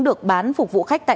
được bán phục vụ khách hàng